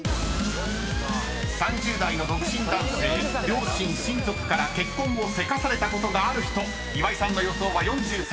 ［両親親族から結婚をせかされたことがある人岩井さんの予想は４３％］